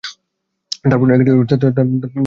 তারপর কী করবো?